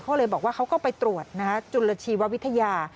เขาเลยบอกว่าเขาก็ไปตรวจจุลชีววิทยา